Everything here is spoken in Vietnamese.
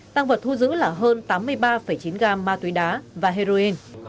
tăng vật thu giữ là hơn tám mươi ba chín gam ma túy đá và heroin